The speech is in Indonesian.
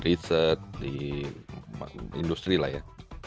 di research di industri lah ya